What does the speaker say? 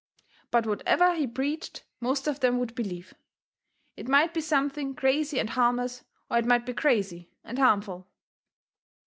But whatever he preached most of them would believe. It might be something crazy and harmless, or it might be crazy and harmful.